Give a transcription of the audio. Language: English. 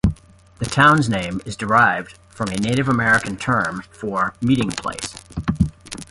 The town's name is derived from a Native American term for meeting place.